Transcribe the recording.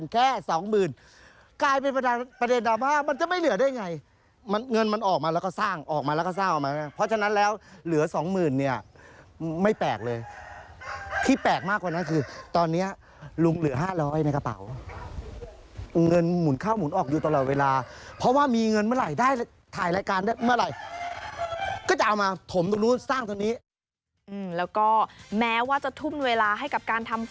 ก็จะเอามาถมตรงนู้นสร้างเท่านี้อืมแล้วก็แม้ว่าจะทุ่มเวลาให้กับการทำ